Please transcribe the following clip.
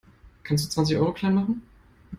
Kannst du zwanzig Euro klein machen?